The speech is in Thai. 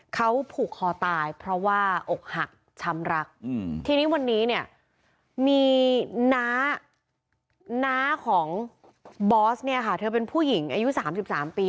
เขาผูกคอตายเพราะว่าอกหักช้ำรักทีนี้วันนี้เนี่ยมีน้าน้าของบอสเนี่ยค่ะเธอเป็นผู้หญิงอายุ๓๓ปี